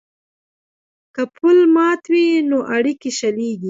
که پل مات وي نو اړیکې شلیږي.